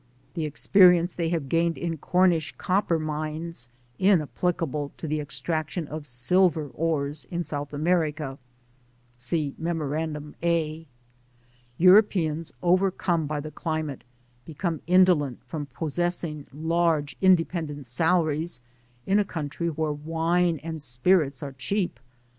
— The experience they have gained in Cornish copper mines inapplicable to the extrac tion of silver ores in South America. (See Memo randum A.) Europeans, overcome by the climate, become indolent from possessing large independent salaries in a country where wine and spirits are cheap.